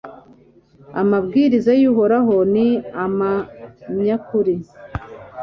amabwiriza y'uhoraho ni amanyakuri